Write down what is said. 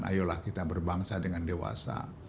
ayolah kita berbangsa dengan dewasa